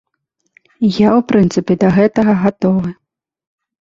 Я ў прынцыпе да гэтага гатовы.